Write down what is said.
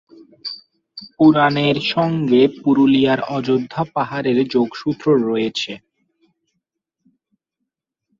পুরাণের সঙ্গে পুরুলিয়ার অযোধ্যা পাহাড়ের যোগসূত্র রয়েছে।